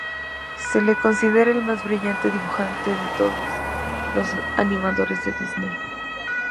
Se le considera el más brillante dibujante de todos los animadores de Disney.